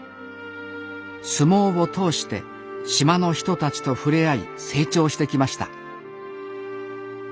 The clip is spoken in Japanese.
相撲を通して島の人たちと触れ合い成長してきました